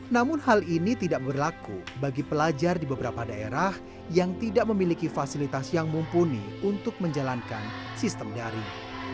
namun hal ini tidak berlaku bagi pelajar di beberapa daerah yang tidak memiliki fasilitas yang mumpuni untuk menjalankan sistem daring